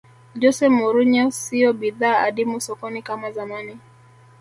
jose mourinho siyo bidhaa adimu sokoni kama zamani